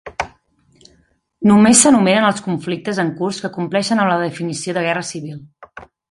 Només s'enumeren els conflictes en curs que compleixen amb la definició de guerra civil.